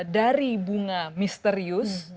dari bunga misterius